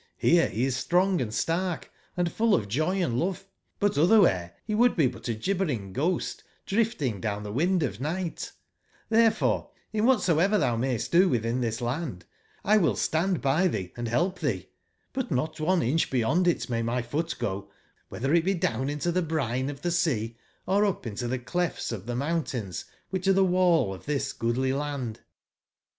Here be is strongand stark, and full of joyand love ; but otberwbere be would be but a gibbering gbost drifting down tbe wind of nigbtXberefore in wbatsoever tbou mayst do witbin tbis land Xwill stand by tbee and belp tbee; but notone incb beyond it may my foot go, wbetber it be down into tbe brine of tbe sea, or up into tbe clefts of tbe mountains 74 wbicb arc the wall of this goodly land.